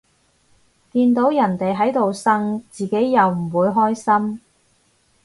見到人哋喺度呻，自己又唔會開心